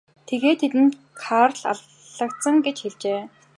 Тэгээд тэдэнд Карл алагдсан гэж хэлсэн.